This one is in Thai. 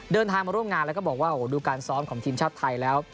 เดินทางมาร่วมงานแล้วก็บอกว่าโอ้โหดูการซ้อมของทีมชาติไทยแล้ว